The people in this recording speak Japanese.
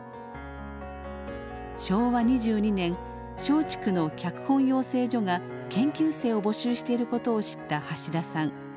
昭和２２年松竹の脚本養成所が研究生を募集していることを知った橋田さん。